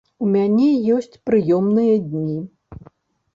У мяне ёсць прыёмныя дні.